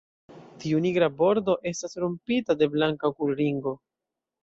Tiu nigra bordo estas rompita de blanka okulringo.